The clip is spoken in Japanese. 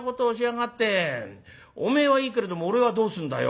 お前はいいけれども俺はどうするんだよ。